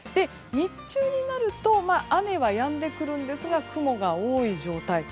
日中になると雨はやんでくるんですが雲が多い状態。